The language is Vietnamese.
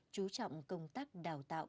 chú trọng công tác đào tạo